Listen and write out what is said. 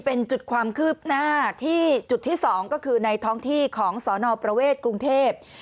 เป็นจุดความคืบหน้าที่จุดที่๒ก็คือในท้องที่ของสนประเวทกรุงเทพ